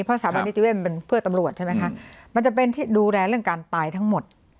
เพราะสถาบันนิติเวศมันเป็นเพื่อตำรวจใช่ไหมคะมันจะเป็นที่ดูแลเรื่องการตายทั้งหมด